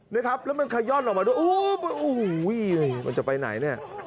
นะครับแล้วมันขย่อนออกมาด้วยโอ้โหมันจะไปไหนเนี่ย